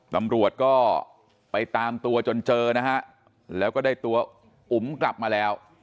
ตำรวจก็ไปตามตัวจนเจอนะฮะแล้วก็ได้ตัวอุ๋มกลับมาแล้ว